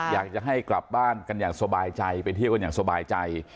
อยากจะให้กลับบ้านกันอย่างสบายใจไปเที่ยวกันอย่างสบายใจ